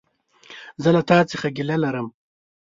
زه له تا څخه ګيله لرم!